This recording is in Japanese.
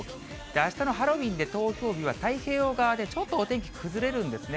あしたのハロウィーンで東京では太平洋側でお天気崩れるんですね。